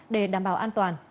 để đảm bảo an toàn